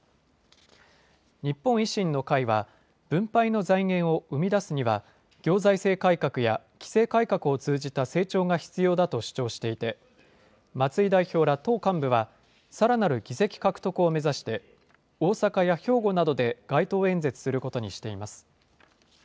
日本維新の会は、分配の財源を生み出すには、行財政改革や規制改革を通じた成長が必要だと主張していて、松井代表ら党幹部は、さらなる議席獲得を目指して、大阪や兵庫などで街頭演説することにしています。